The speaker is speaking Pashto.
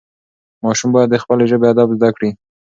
ماشومان باید د خپلې ژبې ادب زده کړي.